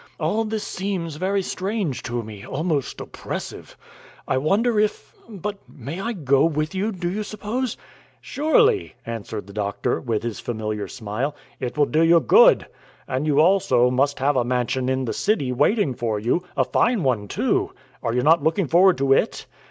All this seems very strange to me, almost oppressive. I wonder if but may I go with you, do you suppose?" "Surely," answered the doctor, with his familiar smile; "it will do you good. And you also must have a mansion in the city waiting for you a fine one, too are you not looking forward to it?"